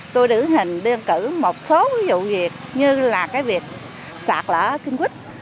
tôi đưa hình đơn cử một số vụ việc như là cái việc sạc lỡ kinh quýt